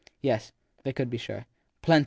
Yes, they could be sure. Plenty !